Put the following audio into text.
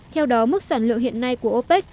theo đó mức sản lượng hiện nay của opec